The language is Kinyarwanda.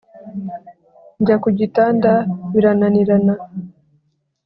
njya ku gitanda birananirana.